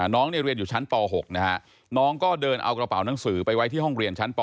น้องเรียนอยู่ชั้นป๖นะฮะน้องก็เดินเอากระเป๋าหนังสือไปไว้ที่ห้องเรียนชั้นป